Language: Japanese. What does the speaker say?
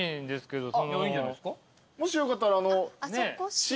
もしよかったら。